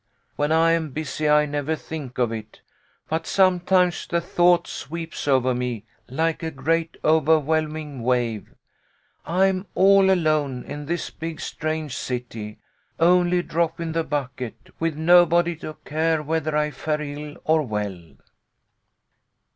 When I am busy I never think of it ; but sometimes the thought sweeps over me like a great overwhelming wave, I'm all alone in this big, strange city, only a drop in the bucket, with nobody to care whether I fare ill or well."